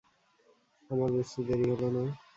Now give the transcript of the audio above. আমার বুঝতে দেরি হল না।